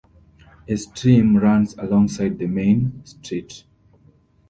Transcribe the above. A stream runs alongside the main street.